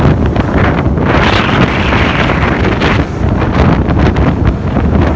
สุดท้ายว่าเมืองนี้ก็ไม่เหมือนกับเมืองอื่น